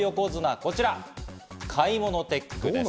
こちら、買い物テックです。